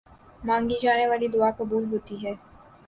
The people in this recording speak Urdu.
مانگی جانے والی دعا قبول ہوتی ہے۔